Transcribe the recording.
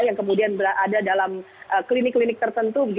yang kemudian berada dalam klinik klinik tertentu